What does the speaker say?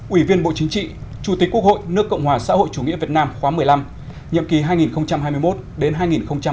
ủy viên bộ chính trị chủ tịch quốc hội nước cộng hòa xã hội chủ nghĩa việt nam khóa một mươi năm nhiệm kỳ hai nghìn hai mươi một đến hai nghìn hai mươi sáu